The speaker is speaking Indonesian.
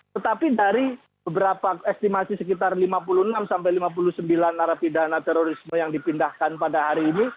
tetapi dari beberapa estimasi sekitar lima puluh enam sampai lima puluh sembilan narapidana terorisme yang dipindahkan pada hari ini